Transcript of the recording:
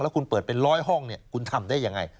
แล้วคุณเปิดเป็น๑๐๐ห้องคุณทำได้อย่างไร